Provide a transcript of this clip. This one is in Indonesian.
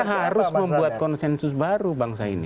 harus membuat konsensus baru bangsa ini